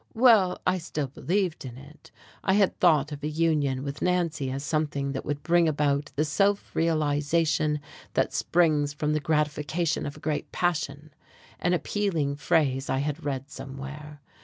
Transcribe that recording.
Well, I still believed in it. I had thought of a union with Nancy as something that would bring about the "self realization that springs from the gratification of a great passion," an appealing phrase I had read somewhere.